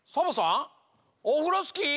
オフロスキー！